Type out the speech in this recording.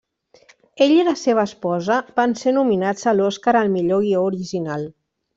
Ell i la seva esposa van ser nominats a l'Oscar al millor guió original.